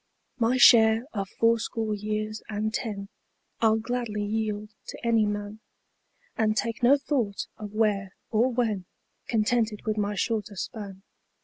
My share of fourscore years and ten I'll gladly yield to any man, And take no thought of " where " or " when," Contented with my shorter span.